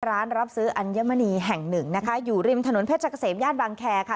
ร้านรับซื้ออัญมณีแห่งหนึ่งนะคะอยู่ริมถนนเพชรเกษมย่านบางแคร์ค่ะ